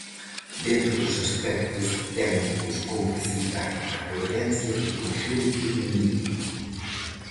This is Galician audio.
Dentro dos aspectos técnicos cómpre citar a coherencia do conxunto do libro.